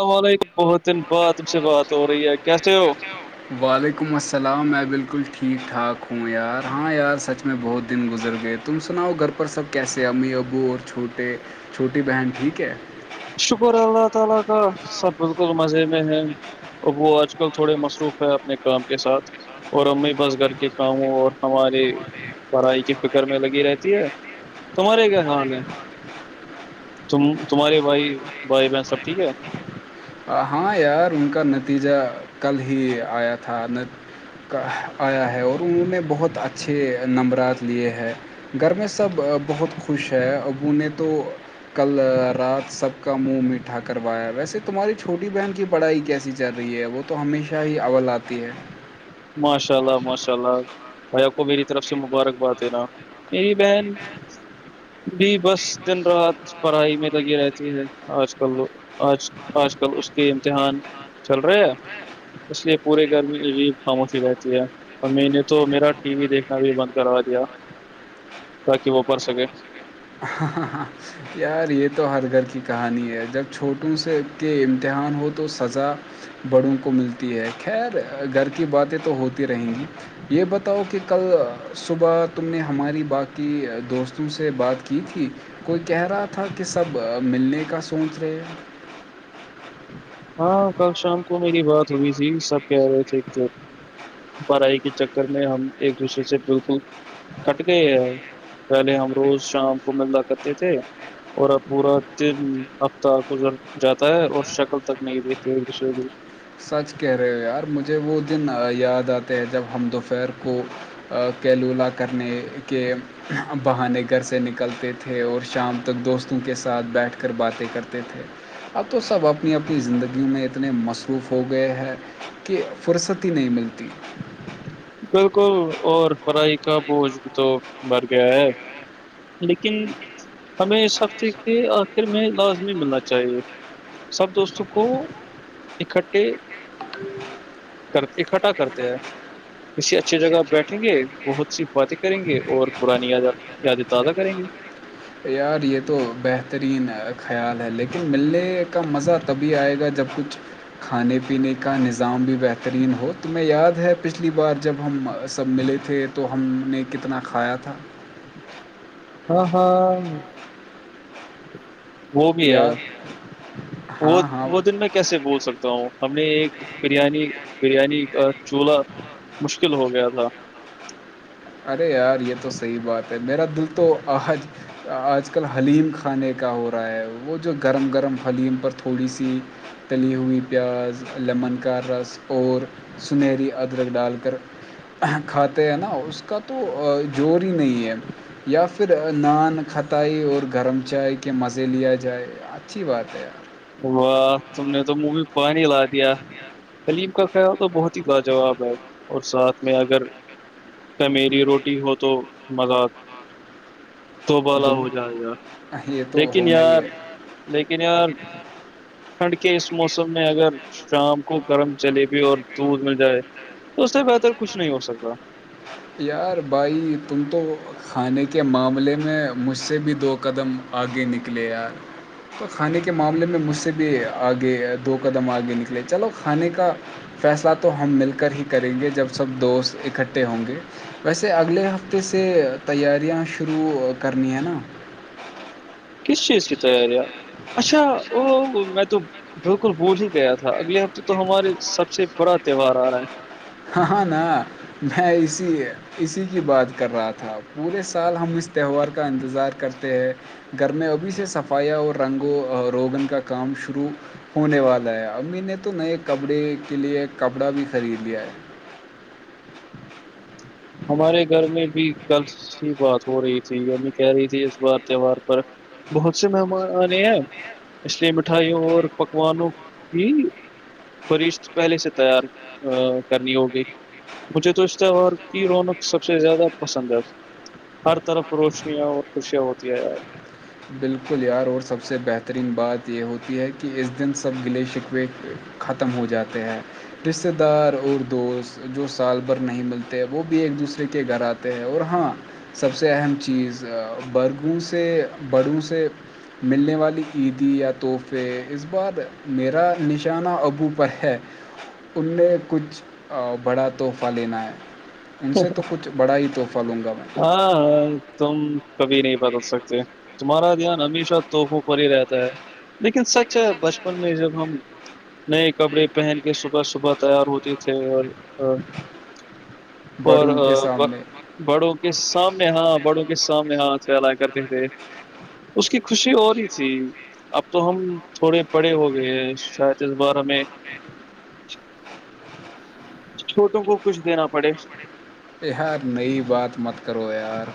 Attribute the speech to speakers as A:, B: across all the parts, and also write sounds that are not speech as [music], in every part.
A: اللام علیکم بہت دن بعد تم سے بات ہو رہی ہے کیسے ہو
B: وعلیکم السلام میں بالکل ٹھیک ٹھاک ہوں یار ہاں یار سچ میں بہت دن گزر گئے تم سناؤ گھر پر سب کیسے امی ابو اور چھوٹے چھوٹی بہن ٹھیک ہے
A: شکر اللہ تعالی کا سب بالکل مزے میں ہے اب وہ آج کل تھوڑے مصروف ہے اپنے کام کے ساتھ اور امی بس گھر کے کاموں اور ہماراری پڑھائی کی فکر میں لگی رہتی ہے تمہارے کیا حال ہے ت تمہارے بھائی بھائی بہ سب ٹھیک ہے
B: آ، ہاں یار ان کا نتیجہ کل ہی آیا تھا کا آیا ہے اور انہوں نے بہت اچھے نمبرات لیے ہیں گھر میں سب بہت خوش ہیں اب نے تو کل رات سب کا منہ میٹھا کروایا ویسے تمہاری چھوٹی بہن کی پڑھائی کیسی چل رہی ہے وہ تو ہمیشہ ہی اول آتی ہے
A: ماشاء اللہ ماشاء اللہ بھیا کو میری طرف سے مبارکباد دینا میری بہن بھی بس دن رات پڑھائی میں لگی رہتی ہے آج کل آج آج کل اس کے امتحان چل رہے ہیں اس لیے پورے گرمی عجی خاموشی رہتی ہے اور میں نے تو میرا ٹی وی دیکھنا بھی بند کروا دیا تاکہ وہ پڑھ سکے
B: ہاں ہاں ہاں یار یہ تو ہر گھر کی کہانی ہے جب چھوٹوں سے کے امتحان ہو تو سزا بڑوں کو ملتی ہے خیر گھر کی باتیں تو ہوتی رہیں گی یہ بتاؤ کہ کل صبح تم نے ہماری باقی دوستوں سے بات کی تھی کوئی کہہ رہا تھا کہ سب ملنے کا سوچ رہے ہیں
A: ہاں کل شام کو میری بات ہوئی تھی سب کہہ رہے تھے کہ بڑائی کے چکر میں ہم ایک دوسرے سے بالکل کٹ گئے ہیں پہلے ہم روز شام کو ملندا کرتے تھے اور اب پورا تین ہفتہ کو جاتا ہے اور شکل ت نہیں شوگے
B: سچ کہہ رہے ہو یار مجھے وہ دن یاد آتے ہیں جب ہم دوپہر کو کیلولہ کرنے کے بہانے گھر سے نکلتے تھے اور شام تک دوستوں کے ساتھ بیٹھ کر باتیں کرتے تھے اب تو سب اپنی اپنی زندگیوں میں اتنے مس پروف ہو گئے ہے کہ فرصت ہی نہیں ملتی
A: بالکل اور پڑھائی کا بوجھ بھی تو بر گیا ہے لیکن ہمیں اس ہفتے کے آخر میں لازمی ملنا چاہیے سب دوستوں کو اکٹھے کر اکھٹھا کرتے ہیں کسی اچھی جگہ بیٹھیں گے بہت سی باتیں کریں گے اور پرانی یاد یادیں تازہ کریں گے
B: یار یہ تو بہترین خیال ہے لیکن ملنے کا مزہ تبھی آئے گا جب کچھ کھانے پینے کا نظام بھی بہترین ہو تومیں یاد ہے پچھلی بار جب ہم سب ملے تو تھے تو ہم نے کتنا کھایا تھا
A: ہاں ہاں وہ بھی ہے
B: یار
A: وہ
B: ہاں ہاں
A: وہ دن میں کیسے بول سکتا ہوں ہم نے ایک بریانی بریانی کا چولہا مشکل ہو گیا تھا
B: ارے یار یہ تو صحیح بات ہے میرا دل تو آج آج کل حلیم کھانے کا ہو رہا ہے وہ جو گرم گرم حلیم پر تھوڑی سی تلی ہوئی پیاز لیمن کا رس اور سنہری ادرک ڈال کر کھاتے ہیں نا اس کا تو زور ہی نہیں ہے یا پھر نان کھتائی اور گرم چائے کے مزے لیا جائے اچھی بات ہے
A: واہ تم نے تو منہ میں پانی لا دیا کلیم کا تو بہت ہی لاجاب ہے اور ساتھ میں اگر میری روٹی ہو تو مزہ تو بالا
B: دو
A: ہو جائے یار
B: یہ تو
A: لیکن
B: ہونا ہی
A: یار
B: ہے
A: لیکن یار ٹھنڈ کے اس موسم میں اگر شام کو گرم جلیبی اور دودھ مل جائے تو اس سے بہتر کچھ نہیں ہو سکتا
B: یار بھائی تم تو کھانے کے معاملے میں مجھ سے بھی دو قدم آگے نکلے یار تو کھانے کے معاملے میں مجھ سے بھی آگے دو قدم آگے نکلے چلو کھانے کا فیصلہ تو ہم مل کر ہی کریں گے جب سب دوست اکٹھے ہوں گے ویسے اگلے ہفتے سے تیاریاں شروع کرنی ہیں نا
A: کس چیز کی تیاریاں اچھا ا میں تو بالکل بول ہی گیا تھا اگلے ہفتے تو ہمارے سب سے بڑا تہوہار آ رہا ہے
B: ہاں ہاں نا میں اسی ہے اسی کی بات کر رہا تھا پورے سال ہم اس تہوار کا انتظار کرتے ہیں گھر میں ابھی سے صفائیاں اور رنگ و روغن کا کام شروع ہونے والا ہے امی نے تو نئے کپڑے کے لیے کپڑا بھی خرید لیا ہے [inaudible]
A: ہمارے گھر میں بھی کل سی بات ہو رہی تھی ہممی کہہ رہی تھی اس بار تہوار پر بہت سے مہمان آنے ہیں اس لیے مٹھائیوں اور پکوانوں کی فرشت پہلے سے تیار کرنی ہوگی مجھے تو اس طرح اور کی رونق سب سے زیادہ پسند ہے ہر طرف روشنیاں اور خوشیاں ہوتی ہے یار
B: بالکل یار اور سب سے بہترین بات یہ ہوتی ہے کہ اس دن سب گلیشکو ختم ہو جاتے ہیں رشتے دار اور دوست جو سال بھر نہیں ملتے وہ بھی ایک دوسرے کے گھر آتے اور ہاں سب سے اہم چیز برگوں سے بڑوں سے ملنے والی عیدی یا تحفے اس بار میرا نشانہ ابو پر ہے انیں کچھ بڑا تحفہ لینا ہے ان سے تو کچھ بڑا ہی تحفہ لوں گا میں
A: ہاں ہ تم کبھی نہیں بدل سکتے تمہارا دھیان ہمیشہ تحفوں پر ہی رہتا ہے لیکن سچ ہے بچپن میں جب ہم نئے کپڑے پہن کے صبح صبح تیار ہوتے تھے اور اور
B: بڑوں کے سامنے
A: بڑوں کے سامنے ہاں بڑوں کے سامنے ہاں پھیلا کرتے تھے اس کی خوشی اور ہی تھی اب تو ہم تھوڑے بڑے ہو گئے ہیں شاید اس بار ہمیں
B: [inaudible]
A: چھوٹوں کو کچھ دینا پڑے
B: یہ ہار نئی بات مت کرو یار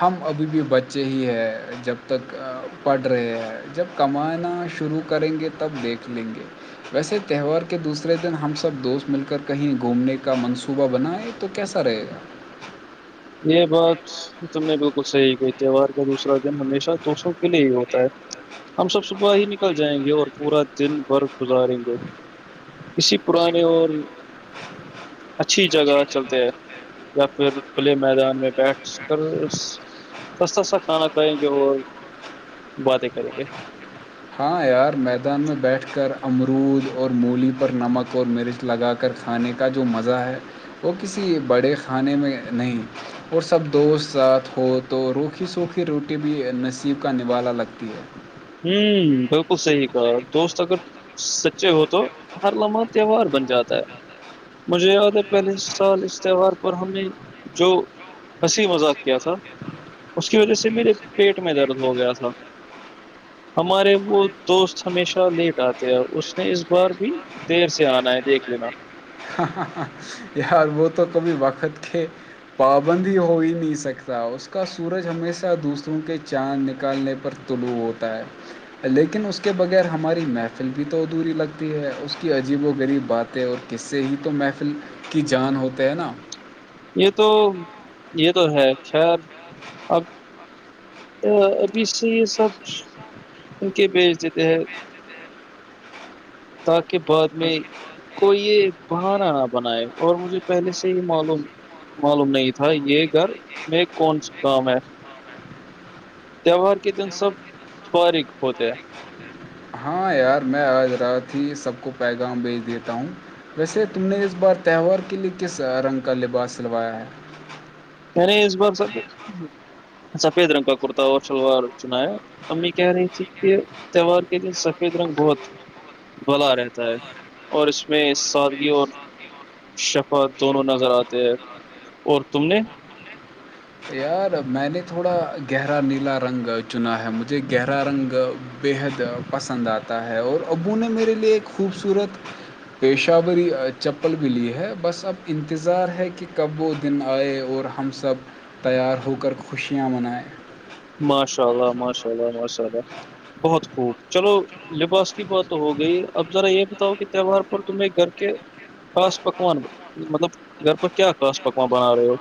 B: ہم ابھی بھی بچے ہی ہیں جب تک پڑھ رہے ہیں جب کمانا شروع کریں گے تب دیکھ لیں گے ویسے تہوار کے دوسرے دن ہم سب دوست مل کر کہیں گھومنے کا منصوبہ بنائے تو کیسا رہے گا
A: یہ بت تم نے بالکل صحیح کہ تہوار کا دوسر دن ہمیشہ دوستوں کے لیے ہی ہوتا ہے ہم سب صبح ہی نکل جائیں گے اور پورا دن بور گزاریں گے اسی پرانے اور اچھی جگہ چلتے ہے یا پھر پھلے میدان میں بیٹھ کر سسستتا کھانا کھائیں گے اور باتیں کریں گے
B: ہاں یار میدان میں بیٹھ کر امرود اور مولی پر نمک اور مرچ لگا کر کھانے کا جو مزہ ہے وہ کسی بڑے کھانے میں نہیں اور سب دوست ساتھ ہو تو روکھی سوکھی روٹی بھی نصیب کا نوالا لگتی ہے
A: ہوں بالکل صحیح کہا دوست اگر سچے ہو تو ہر لمحہ تہوار بن جاتا ہے مجھے یاد ہے پہلے سال اس تہوار پر ہمیں جو ہنسی مذاق کیا تھا اس کی وجہ سے میرے پیٹ میں درد ہو گیا تھا ہمارے وہ دوست ہمیشہ لیٹ آتے ہیں اس نے اس بار بھی دیر سے آنا ہے دیکھ لینا
B: یہار وہ تو کبھی بخت کے پابندی ہو ہی نہیں سکتا اس کا سورج ہمیشہ دوسروں کے چاند نکالنے پر طلوع ہوتا ہے لیکن اس کے بغیر ہماری محفل بھی تو ادھوری لگتی ہے اس کی عجیب و غریب باتیں اور کس سے ہی تو محفل کی جان ہوتے ہے نا
A: یہ تو یہ تو ہے خیر
B: ہ
A: تو ابھی سے یہ سب ان کے بیچ دیتے ہیں تاکہ بعد میں کو یہ بہانا نہ بنائے اور مجھے پہلے سے ہی معلوم معلوم نہیں تھا یہ گھر میں کونا کام ہے تہوار کے دن سب فارغ ہوتے ہیں
B: ہاں یار میں آج رات ہی سب کو پیغام بیج دیتا ہوں ویسے تم نے اس بار تہوار کے لیے کس رنگ کا لباس سلوایا ہے
A: میں نے اس بار سف سفید رنگ کا کرتا اور شلوار چنایا ہے امی کہہ رہی تھی کہ تہوار کے دے سفید رنگ ہوت بلا رہتا ہے اور اس میں سادگی اور شفا دونوں نظر آتے ہیں اور تم نے
B: یار میں نے تھوڑا گہرا نیلا رنگ چنا ہے مجھے گہرا رنگ بےحد پسند آتا ہے اور ابو نے میرے لیے ایک خوبصورت پیشہ ی چپل بھی لی ہے بس اب انتظار ہے کہ کب وہ دن آئے اور ہم سب تیار ہو کر خوشیاں منائیں
A: ماشاء اللہ ماشاء اللہ ماشاء اللہ بہت خوب چلو لباس کی بات تو ہو گئی اب ذرا یہ بتاؤ کہ تہوار پر تمہیں گھر کے خاص پکوان مطلب گھر پر کیا خا پکوان بنا رہے ہو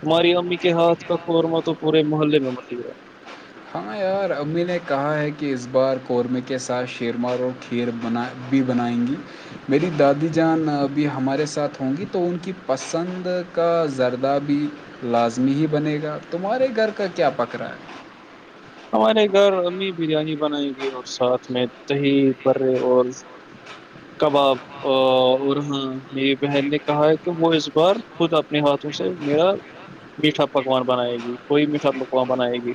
A: تمہاری امی کے ہاتھ کا قورمہ تو پورے محلے میں مچ گیا ہے
B: ہاں یار امی نے کہا ہے کہ اس بار قورمے کے ساتھ شیرما روٹ ہیئر بنا بھی بنائیں گی میری دادی جانب ہمارے ساتھ ہوں گی تو ان کی پسند کا زردہ بھی لازمی ہی بنے گا تمہارے گھر کا کیا پک رہا ہے
A: ہمارے گھر امی بریانی بنائیں گے اور ساتھ میں دہی پرے اور کباب اور اور ہاں میری بہن نے کہا ہے کہ وہ اس بار خود اپنے ہاتھوں سے میرا میٹھا پکوان بنائے گی کوئی میٹھا پکوان بنائے گی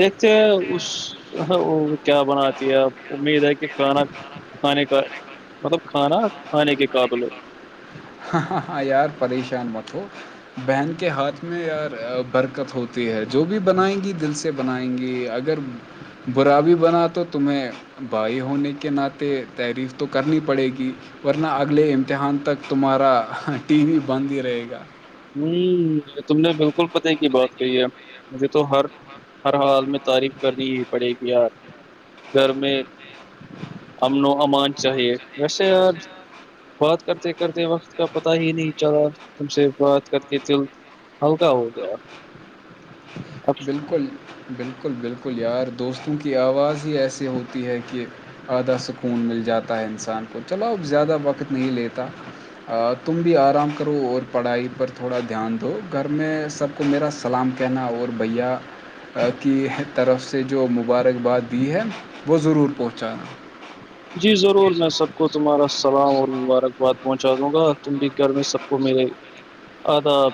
A: دیکھتے ہیں اس وہ کیا بناتی ہے آپ امید ہے کہ کھانا کھانے کا مطلب کھانا کھانے کے قابلوں
B: ہاں ہ ہاں یار پریشان مت ہو بہن کے ہاتھ میں یار برکت ہوتی ہے جو بھی بنائیں گی دل سے سے بنائیں گی اگر برا بھی بنا تو تمہیں بھائی ہونے کے ناطے تعریف تو کرنی پڑے گی ورنہ اگلے امتحان تک تمہارا ٹی وی بند ہی رہے گا
A: ہمم یہ تم نے بالکل پتے کی بات کہی ہے مجھے تو ہر ہر حال میں تعریف کرنی ہی پڑے گی یار گھر میں امن و امان چاہیے یار بات کرتے کرتے وقت کا پتا ہی نہیں چلا تم سے بات کر کے دل ہلکا ہو گیا اب
B: بالکل بالکل بالکل یار دوستوں کی آواز ہی ایسی ہوتی ہے کہ آدھا سکون مل جاتا ہے انسان کو چلو اب زیادہ وقت نہیں لیتا تم بھی آرام کرو اور پڑھائی پر تھوڑا دھیان دو گھر میں سب کو میرا سلام کہنا اور بھیا کی طرف سے جو مبارکباد دی ہے وہ ضرور پہنچانا
A: جی ضرور میں سب کو تمہارا سلام اور مبارکباد پہنچا دوں گا تم بھی گھر میں سب کو میرے آداب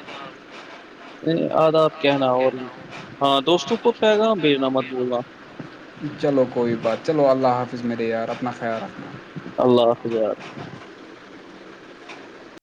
A: نہیں آداب کہنا اور بھی ہاں دوستوں کو پیغام بھیجنا مت بولنا
B: چلو کوئی بات چلو اللہ حافظ میرے یار اپنا خیال رکھنا
A: اللہ حافظ یار